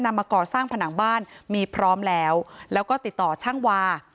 มาก่อสร้างผนังบ้านมีพร้อมแล้วแล้วก็ติดต่อช่างวา